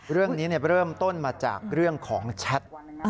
เรื่องนี้เริ่มต้นมาจากเรื่องของแชท